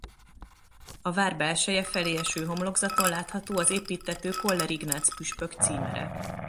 A vár belseje felé eső homlokzaton látható az építtető Koller Ignác püspök címere.